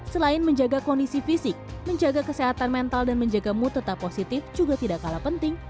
selain menjaga kondisi fisik menjaga kesehatan mental dan menjaga mood tetap positif juga tidak kalah penting